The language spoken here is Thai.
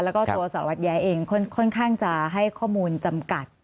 แล้วก็ตัวสารวัตรแย้เองค่อนข้างจะให้ข้อมูลจำกัด